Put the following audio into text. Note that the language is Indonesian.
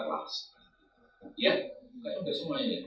ya itu sudah semuanya